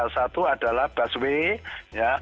satu adalah busway